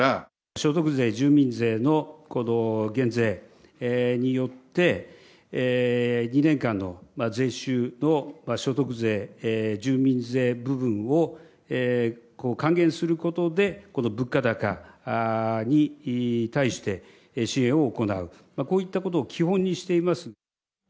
所得税、住民税のこの減税によって、２年間の税収の所得税、住民税部分を、還元することで、この物価高に対して支援を行う、こういったことを基本にしています。